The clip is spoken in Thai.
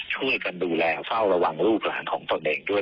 ช่วยกันดูแลเฝ้าระวังลูกหลานของตนเองด้วย